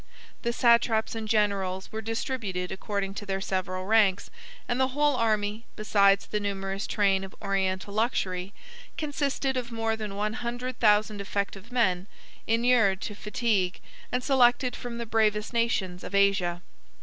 5411 The satraps and generals were distributed according to their several ranks, and the whole army, besides the numerous train of Oriental luxury, consisted of more than one hundred thousand effective men, inured to fatigue, and selected from the bravest nations of Asia.